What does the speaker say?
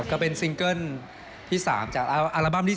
ก็เป็นซิงเกิ้ลที่๓จากอัลบั้มที่๒